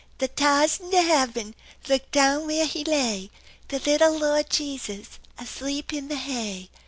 The tars in the haaven Look down vhere 'e lay The litta Lord Jesus As'eep in the hay.